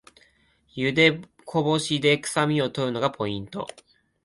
ゆでこぼしでくさみを取るのがポイント